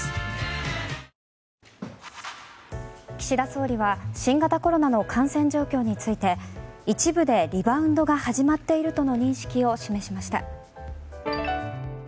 岸田総理は新型コロナの感染状況について一部でリバウンドが始まっているとの認識を示しました。